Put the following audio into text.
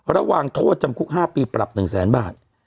ระหว่างโทษจำคุก๕ปีปรับ๑แสนบาท